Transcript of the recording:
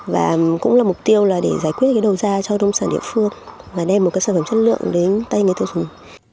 và cũng là mục tiêu là để giải quyết cái đầu ra cho nông sản địa phương và đem một cái sản phẩm chất lượng đến tay người tiêu dùng